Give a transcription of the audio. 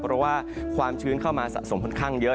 เพราะว่าความชื้นเข้ามาสะสมค่อนข้างเยอะ